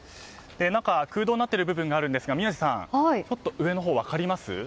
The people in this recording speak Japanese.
中、空洞になっている部分があるんですが、宮司さんちょっと上のほう、分かります？